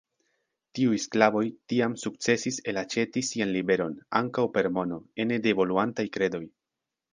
Tiuj sklavoj, tiam sukcesis elaĉeti sian liberon, ankaŭ per mono, ene de evoluantaj kredoj!